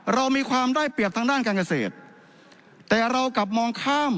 เรามีความได้เปรียบทางด้านการเกษตรแต่เรากลับมองข้าม